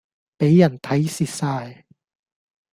俾人睇蝕曬